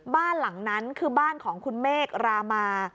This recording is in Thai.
บ้านหลังนั้นคือบ้านของคุณเมฆรามา